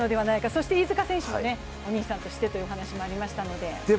そして飯塚選手もお兄さんとしてという話もありましたので。